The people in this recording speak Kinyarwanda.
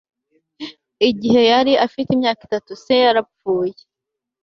Igihe yari afite imyaka itatu se yarapfuye